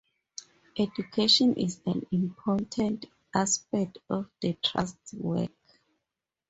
Education is an important aspect of the Trust's work.